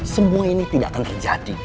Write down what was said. semua ini tidak akan terjadi